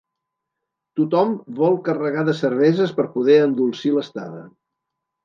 Tothom vol carregar de cerveses per poder endolcir l'estada.